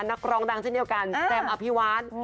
นักร้องดังเช่นเดียวกันแสตม์อภิวาส